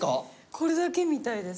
これだけみたいです。